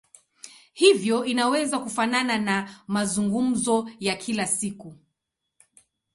Hivyo inaweza kufanana na mazungumzo ya kila siku.